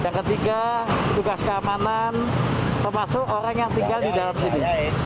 yang ketiga tugas keamanan termasuk orang yang tinggal di dalam sini